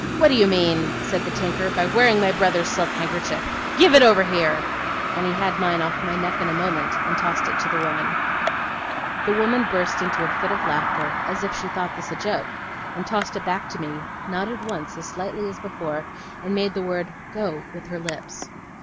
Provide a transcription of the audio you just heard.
'What do you mean,' said the tinker, 'by wearing my brother's silk handkerchief! Give it over here!' And he had mine off my neck in a moment, and tossed it to the woman. The woman burst into a fit of laughter, as if she thought this a joke, and tossed it back to me, nodded once, as slightly as before, and made the word 'Go!' with her lips.